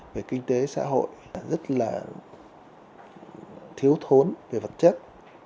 về kinh tế xã hội rất là thiếu thốn về vật chất